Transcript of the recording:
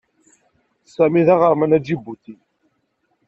Sami d aɣerman aǧibuti.